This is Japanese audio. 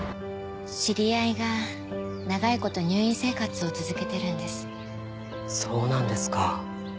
知り合いが長いこと入院生活を続けてるんですそうなんですか